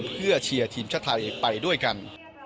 เพื่อเชียร์ทีมชาติไทยไปด้วยกัน